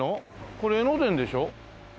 これ江ノ電でしょ？